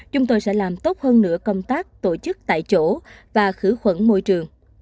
chúng tôi sẽ làm tốt hơn nữa công tác tổ chức tại chỗ và khử khuẩn môi trường